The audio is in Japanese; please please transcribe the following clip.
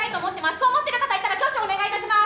そう思ってる方いましたら挙手お願いします！